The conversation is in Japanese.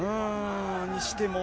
にしても。